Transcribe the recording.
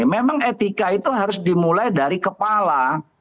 memang etika itu harus dimulai dari kepala